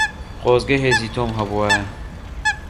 خۆزگە هێزی تۆم هەبوایە.